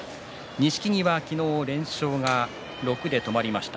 錦木は昨日、連勝が６で止まりました。